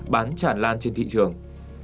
bán chản lan trên thị trường